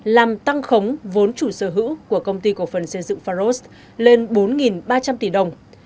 làm tăng khống vốn chủ sở hữu của công ty cổ phần xây dựng pharos lên bốn ba trăm linh tỷ đồng